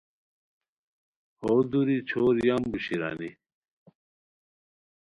ہو دُوری چھور یامبو شیرانی